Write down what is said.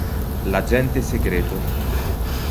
L'agente segreto